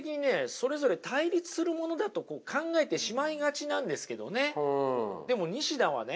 それぞれ対立するものだと考えてしまいがちなんですけどねでも西田はね